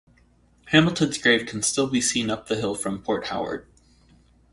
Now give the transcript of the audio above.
Hamilton's grave can still be seen up the hill from Port Howard.